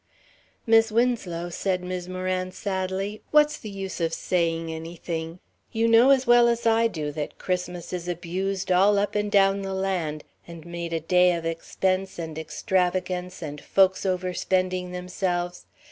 "Mis' Winslow," said Mis' Moran, sadly, "what's the use of saying anything? You know as well as I do that Christmas is abused all up and down the land, and made a day of expense and extravagance and folks overspending themselves.